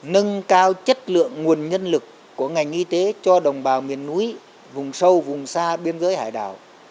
nâng cao chất lượng nguồn nhân lực của ngành y tế cho đồng bào miền núi vùng sâu vùng xa biên giới hải đảo